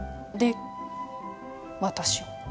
で私を